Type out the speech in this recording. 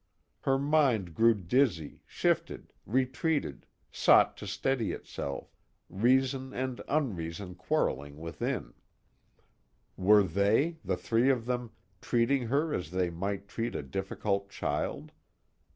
Her mind grew dizzy, shifted, retreated, sought to steady itself, reason and unreason quarreling within. Were they, the three of them, treating her as they might treat a difficult child?